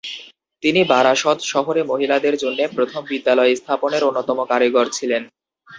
তিনি বারাসত শহরে মহিলাদের জন্যে প্রথম বিদ্যালয় স্থাপনের অন্যতম কারিগর ছিলেন।